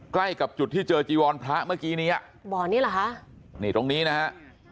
ใกล้กับจุดที่เจอจีวรพระเมื่อกี้นี้อ่ะบ่อนนี้เหรอคะนี่ตรงนี้นะฮะ